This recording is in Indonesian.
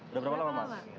udah berapa lama mas